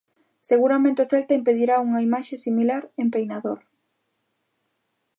Seguramente o Celta impedirá unha imaxe similar en Peinador.